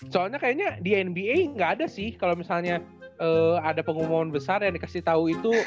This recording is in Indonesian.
soalnya kayaknya di nba nggak ada sih kalau misalnya ada pengumuman besar yang dikasih tahu itu